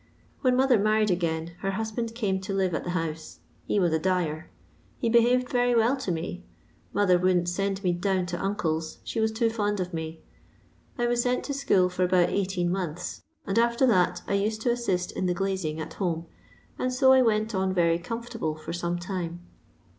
When mother married again, her husband came to live at the house ; he was a dyer. He behaved very well to me. Mother wouldn't send me down to uncle's, she was too fond of me. I was sent to school for about eighteen months, and after that I used to assist in the glaring at home, and so I went on very comfortable for some time.